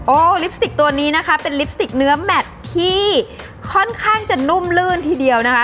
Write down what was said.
ลิปสติกตัวนี้นะคะเป็นลิปสติกเนื้อแมทที่ค่อนข้างจะนุ่มลื่นทีเดียวนะคะ